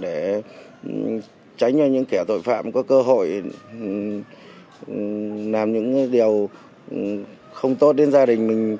để tránh cho những kẻ tội phạm có cơ hội làm những điều không tốt đến gia đình mình